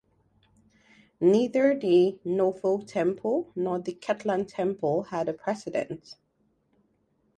Neither the Nauvoo Temple nor the Kirtland Temple had a president.